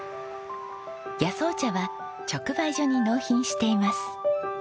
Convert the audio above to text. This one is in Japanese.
野草茶は直売所に納品しています。